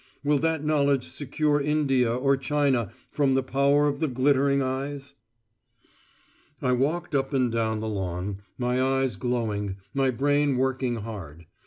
Will that knowledge secure India or China from the power of the glittering eyes? I walked up and down the lawn, my eyes glowing, my brain working hard.